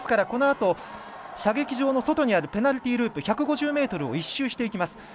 このあと射撃場の外にあるペナルティーループ１５０ｍを１周していきます。